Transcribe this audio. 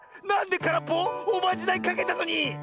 なんでからっぽ⁉おまじないかけたのに。